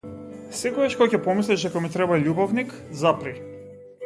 Секогаш кога ќе помислиш дека ми треба љубовник, запри.